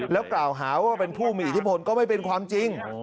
แล้วกล่าวหาว่าเป็นผู้มีอิทธิพลก็ไม่เป็นความจริง